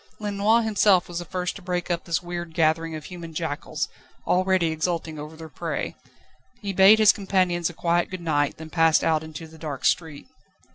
Lenoir himself was the first to break up this weird gathering of human jackals, already exulting over their prey. He bad his companions a quiet good night, then passed out into the dark street.